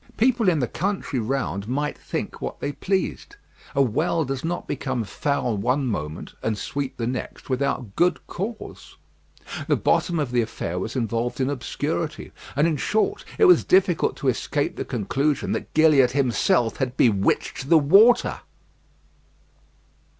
People in the country round might think what they pleased. A well does not become foul one moment and sweet the next without good cause; the bottom of the affair was involved in obscurity; and, in short, it was difficult to escape the conclusion that Gilliatt himself had bewitched the water.